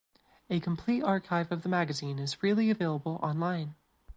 A complete archive of the magazine is freely available online.